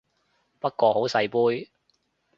不過好細杯